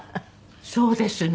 そうですね。